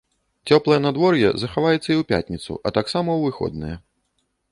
Цёплае надвор'е захаваецца і ў пятніцу, а таксама ў выходныя.